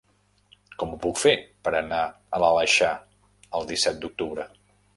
Com ho puc fer per anar a l'Aleixar el disset d'octubre?